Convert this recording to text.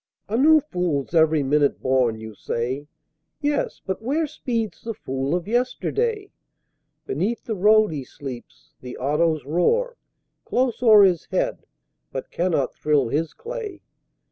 A new Fool's every minute born, you say; Yes, but where speeds the Fool of Yesterday? Beneath the Road he sleeps, the Autos roar Close o'er his head, but can not thrill his clay.